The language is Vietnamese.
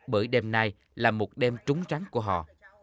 bởi đêm nay là một đêm trúng trắng của họ